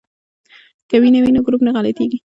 که وینه وي نو ګروپ نه غلطیږي.